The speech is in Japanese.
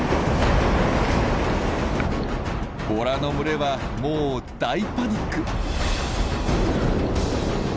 ボラの群れはもう大パニック。